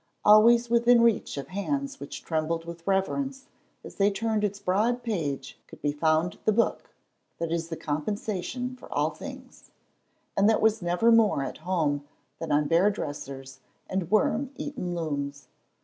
Always within reach of hands which trembled with reverence as they turned its broad page could be found the Book that is compensation for all things, and that was never more at home than on bare dressers and worm eaten looms.